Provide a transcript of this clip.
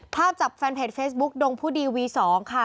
ภาพจากแฟนเพจเฟซบุ๊กดงผู้ดีวี๒ค่ะ